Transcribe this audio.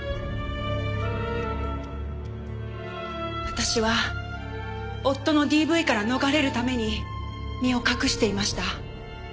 私は夫のＤＶから逃れるために身を隠していました。